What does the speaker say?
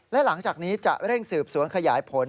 และหลังจากนี้จะเร่งสืบสวนขยายผล